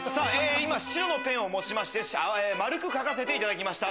今、白のペンを持ちまして、丸く書かせていただきました。